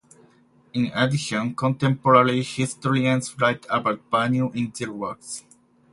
In addition, contemporary historians write about Bannu in their works.